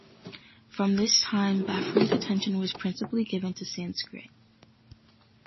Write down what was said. From this time Benfey's attention was principally given to Sanskrit.